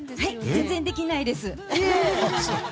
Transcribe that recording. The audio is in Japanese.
全然できないです。